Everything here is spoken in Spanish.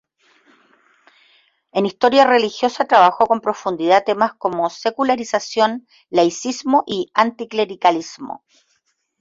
En historia religiosa trabajó con profundidad temas como secularización, laicismo y anticlericalismo.